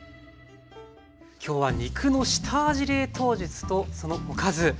今日は肉の下味冷凍術とそのおかず。